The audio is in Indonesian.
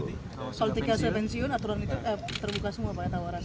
kalo dikasih pensiun aturan itu terbuka semua pak tawaran